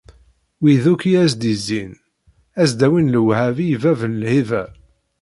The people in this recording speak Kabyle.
Wid akk i as-d-izzin, ad s-d-awin lewɛadi i bab n lhiba.